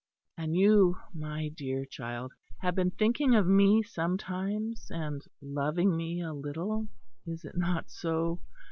And you, my dear child, have been thinking of me sometimes, and loving me a little, is it not so?